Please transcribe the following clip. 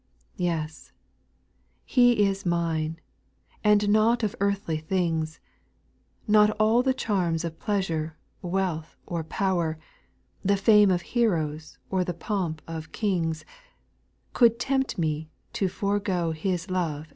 2. Yes 1 He is mine 1 and nought of earthly things — Not all the charms of pleasure, wealth or power, The fame of heroes or the pomp of km^i« — CouJd tempt me to forego 'BAa\o^^^\0s^<2f'Q5.